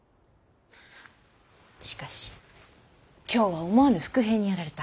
しかし今日は思わぬ伏兵にやられた。